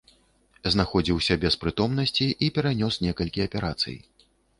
Знаходзіўся без прытомнасці і перанёс некалькі аперацый.